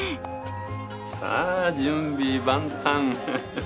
さあ準備万端。